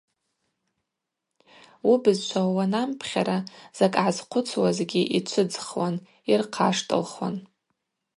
Уыбызшвала уанампхьара, закӏ гӏазхъвыцуазгьи йчвыдзхуан, йырхъаштылхуан.